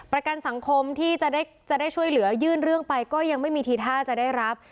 ประกันสังคมที่จะได้ช่วยเหลือยื่นเรื่องไปก็ยังไม่มีทีท่าจะได้รับ